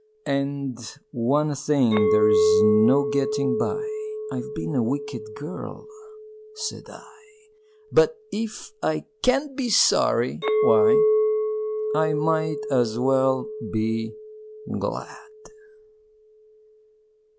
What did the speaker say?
And, "One thing there's no getting by I've been a wicked girl," said I; "But if I can't be sorry, why, I might as well be glad!"